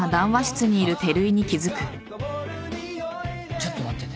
ちょっと待ってて。